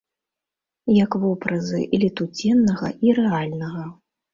Як вобразы летуценнага і рэальнага.